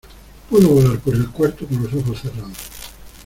Puedo volar por el cuarto con los ojos cerrados.